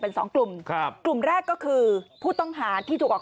เป็นสองกลุ่มครับกลุ่มแรกก็คือผู้ต้องหาที่ถูกออก